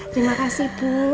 terima kasih bu